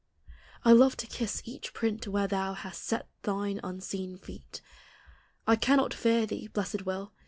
I love to kiss each print where thou Hast set thine unseen feet; I cannot fear thee, blessed will